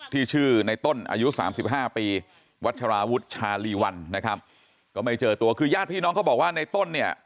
ที่ชื่อในต้นอายุ๓๕ปีวัชราวุธชาลีวันนะครับก็ไม่เจอตัวคือย่าพี่น้องก็บอกว่าในต้นเนี่ย